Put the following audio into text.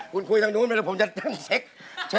คุณคุยทางนู้นไม่รู้ว่าผมจะเช็คคิวผม